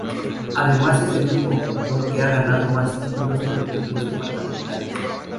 Además es el único jugador que ha ganado más títulos con equipos departamentales.